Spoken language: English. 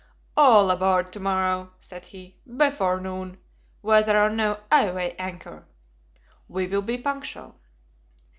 "All aboard to morrow," said he, "before noon. Whether or no, I weigh anchor." "We will be punctual."